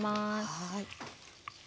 はい。